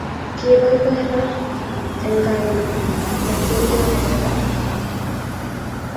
Kipoipoi raa en kaa yu kotienge karoban